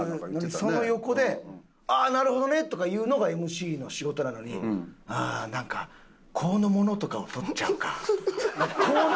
その横で「ああなるほどね」とか言うのがＭＣの仕事なのに「ああなんか香の物とかを取っちゃうか」とか。